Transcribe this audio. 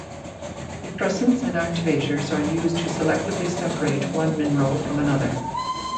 Depressants and activators are used to selectively separate one mineral from another.